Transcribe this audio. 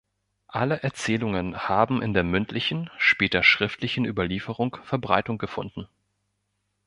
Alle Erzählungen haben in der mündlichen, später schriftlichen Überlieferung Verbreitung gefunden.